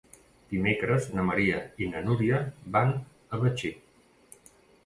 Dimecres na Maria i na Núria van a Betxí.